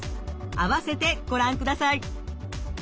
併せてご覧ください。